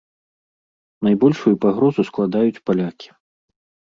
Найбольшую пагрозу складаюць палякі.